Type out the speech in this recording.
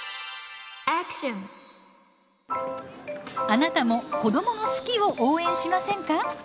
あなたも子どもの好きを応援しませんか？